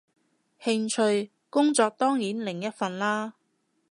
興趣，工作當然另一份啦